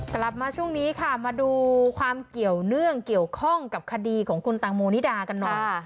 กลับมาช่วงนี้ค่ะมาดูความเกี่ยวเนื่องเกี่ยวข้องกับคดีของคุณตังโมนิดากันหน่อย